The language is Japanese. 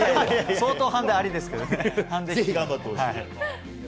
相当ハンデありですけどね。